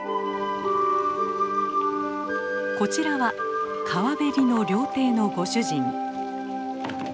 こちらは川べりの料亭のご主人。